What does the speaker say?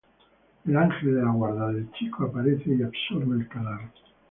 El ángel de la guarda del chico aparece y absorbe el cadáver.